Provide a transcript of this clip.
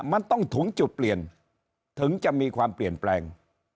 มันต้องถึงจุดเปลี่ยนถึงจะมีความเปลี่ยนแปลง